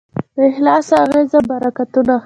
د اخلاص اغېزې او برکتونه